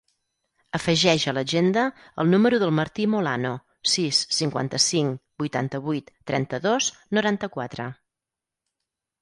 Afegeix a l'agenda el número del Martí Molano: sis, cinquanta-cinc, vuitanta-vuit, trenta-dos, noranta-quatre.